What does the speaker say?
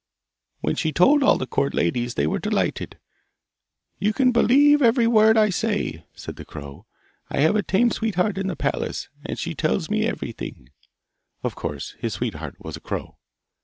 'When she told all the Court ladies, they were delighted. You can believe every word I say,' said the crow, 'I have a tame sweetheart in the palace, and she tells me everything.' Of course his sweetheart was a crow.